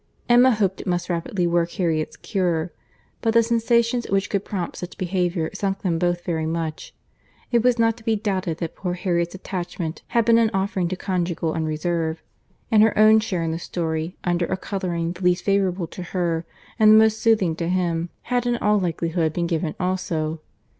Emma hoped it must rapidly work Harriet's cure; but the sensations which could prompt such behaviour sunk them both very much.—It was not to be doubted that poor Harriet's attachment had been an offering to conjugal unreserve, and her own share in the story, under a colouring the least favourable to her and the most soothing to him, had in all likelihood been given also.